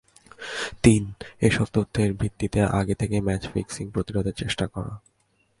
তিন, এসব তথ্যের ভিত্তিতে আগে থেকেই ম্যাচ ফিক্সিং প্রতিরোধের চেষ্টা করা।